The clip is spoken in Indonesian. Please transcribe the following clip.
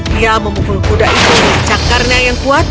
dia memukul kuda itu dengan cakarnya yang kuat